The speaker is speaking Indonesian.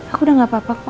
aku udah nggak apa apa kok